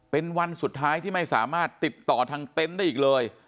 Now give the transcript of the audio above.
เป็นวันสุดท้ายที่ไม่สามารถติดต่อทางเต็นต์ได้อีกเลย